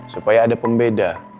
supaya ada pembeda